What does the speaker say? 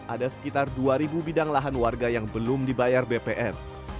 ada sekitar dua bidang lahan warga yang belum dibayar bpn